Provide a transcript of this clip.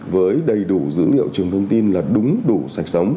với đầy đủ dữ liệu trường thông tin là đúng đủ sạch sống